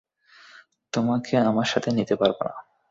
তোমাকে আমার সাথে নিতে পারবো না।